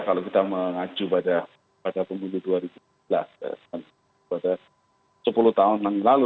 kalau kita mengacu pada pemilu dua ribu sebelas pada sepuluh tahun yang lalu